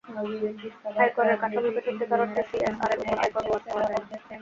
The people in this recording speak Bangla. আয়করের কাঠামোতে সত্যিকার অর্থে সিএসআরের ওপর আয়কর রেয়াত পাওয়া যায় না।